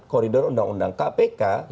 koridor undang undang kpk